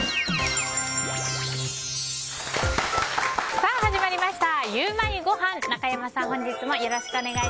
さあ、始まりましたゆウマいごはん。